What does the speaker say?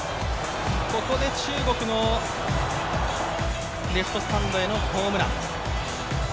ここで中国のレフトスタンドへのホームラン。